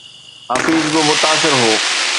حفيظ به متاثر هو